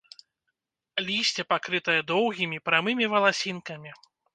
Лісце пакрытае доўгімі прамымі валасінкамі.